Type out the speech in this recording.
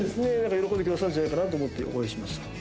喜んでくださるんじゃないかなと思ってこれにしました。